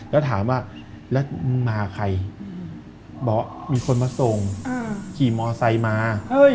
แล้วถามว่ามึงมากับใครบอกว่ามีคนมาส่งขี่มอไซต์มา